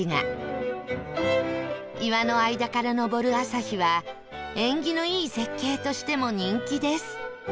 岩の間から昇る朝日は縁起のいい絶景としても人気です